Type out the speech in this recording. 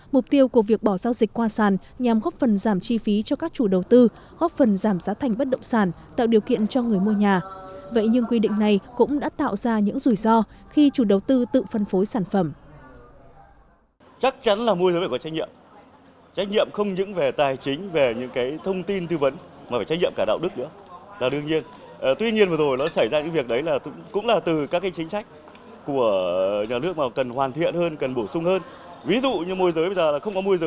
mục tiêu của việc bỏ giao dịch qua sàn của luật kinh doanh bất động sản cũng được nhiều chuyên gia đánh giá là vấn đề cần sớm có điều chỉnh